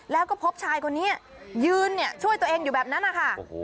แล้วก็พบชายคนเนี้ยยืนเนี้ยช่วยตัวเองอยู่แบบนั้นอ่ะค่ะโอ้โห